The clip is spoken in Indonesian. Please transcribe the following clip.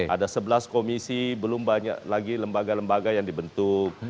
ada sebelas komisi belum banyak lagi lembaga lembaga yang dibentuk